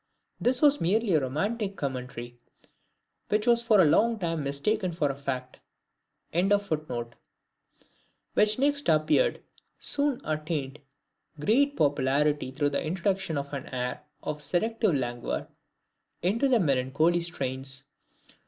This was merely a romantic commentary, which was for a long time mistaken for a fact.] which next appeared, soon attained great popularity through the introduction of an air of seductive languor into the melancholy strains.